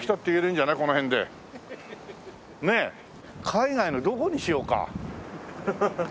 海外のどこにしようか？